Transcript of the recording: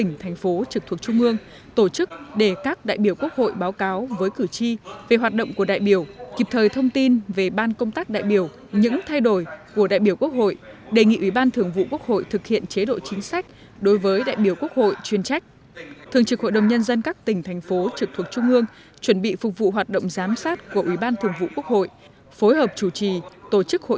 ngày ba tháng một mươi ban công tác đại biểu quốc hội đã tổ chức hội nghị công tác đại biểu quốc hội thường trực hội đồng nhân dân cấp tỉnh và một số nội dung về hoạt động của đoàn đại biểu quốc hội